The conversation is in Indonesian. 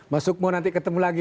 mas sukmo nanti ketemu lagi